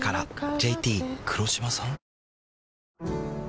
ＪＴ黒島さん？